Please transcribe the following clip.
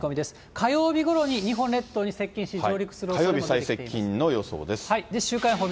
火曜日ごろに日本列島に接近し、上陸するおそれが。